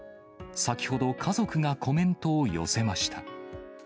先ほど、家族がコメントを寄せました。